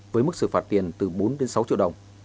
với mức xử phạt tiền từ bốn đến sáu triệu đồng